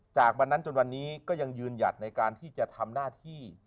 จากวันนั้นจนวันนี้ก็ยังยืนหยัดในการที่จะทำหน้าที่